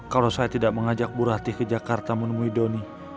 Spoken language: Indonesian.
kalau saya tidak mengajak bu ratih ke jakarta menemui doni